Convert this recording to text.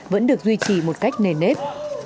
vẫn được duy trì một cách nền nếp